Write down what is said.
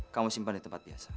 kamu simpan di tempat biasa